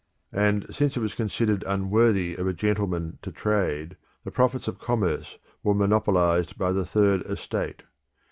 And since it was considered unworthy of a gentleman to trade, the profits of commerce were monopolised by the third estate.